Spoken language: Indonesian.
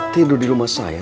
tidur di rumah saya